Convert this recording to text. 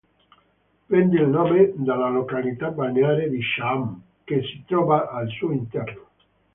Prende il nome dalla località balneare di Cha-am, che si trova al suo interno.